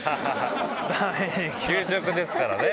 給食ですからね。